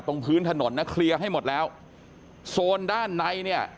ตรงพื้นถนนนะเคลียร์ให้หมดแล้วโซนด้านในเนี่ย